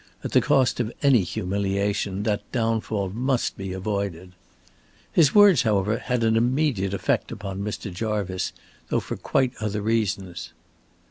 At the cost of any humiliation that downfall must be avoided. His words, however, had an immediate effect upon Mr. Jarvice, though for quite other reasons.